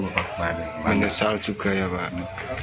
menyesal juga ya pak